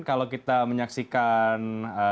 kalau kita menyaksikan